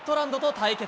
対決。